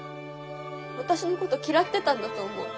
私のこと嫌ってたんだと思う。